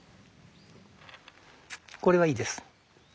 これはいいです。